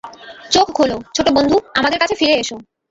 চোখ খোলো, ছোট বন্ধু, আমাদের কাছে ফিরে এসো।